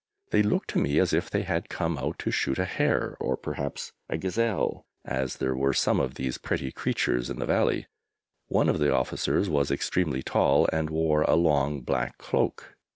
They looked to me as if they had come out to shoot a hare, or perhaps a gazelle, as there were some of these pretty creatures in the Valley. One of the officers was extremely tall and wore a long black cloak.